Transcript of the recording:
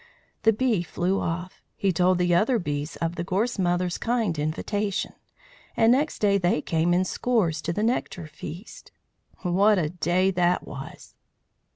The bee flew off. He told the other bees of the Gorse Mother's kind invitation, and next day they came in scores to the nectar feast. What a day that was!